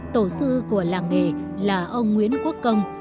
tổ sư của làng nghề là ông nguyễn quốc công